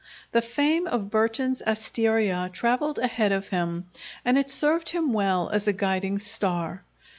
The fame of Burton's asteria travelled ahead of him, and it served him well as a guiding star.